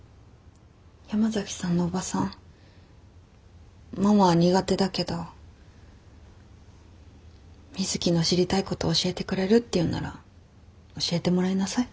山崎さんのおばさんママは苦手だけどみづきの知りたいことを教えてくれるっていうんなら教えてもらいなさい。